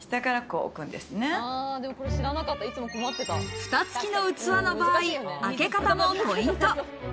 フタ付きの器の場合、開け方もポイント。